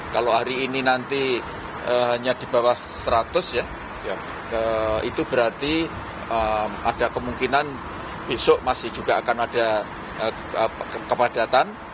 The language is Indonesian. kalau hari ini nanti hanya di bawah seratus ya itu berarti ada kemungkinan besok masih juga akan ada kepadatan